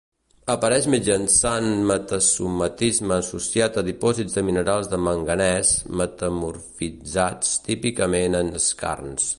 Apareix mitjançant metasomatisme associat a dipòsits de minerals de manganès metamorfitzats, típicament en skarns.